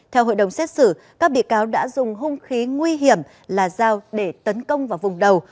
theo hội đồng xét xử các bị cáo đã dùng hung khí nguy hiểm là dao để tấn công vào vùng đầu